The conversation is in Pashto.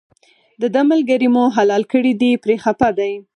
دده ملګری مو حلال کړی دی پرې خپه دی.